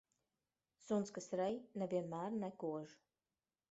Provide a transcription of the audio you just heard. Suns, kas rej, ne vienmēr nekož.